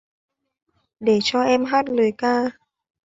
Để cho em hát lời ca